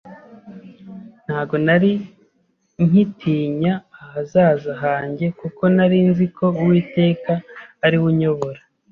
Ntago nari nkitinya ahazaza hanjye kuko nari nziko Uwiteka ariwe unyobora